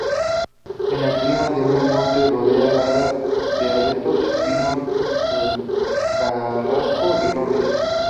En la cima de un monte rodeada de abetos, pino carrasco y robles.